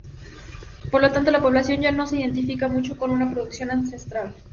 Por lo tanto la población ya no se identifica mucho con una producción ancestral.